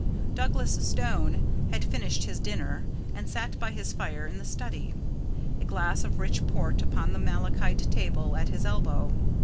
Douglas Stone had finished his dinner, and sat by his fire in the study, a glass of rich port upon the malachite table at his elbow.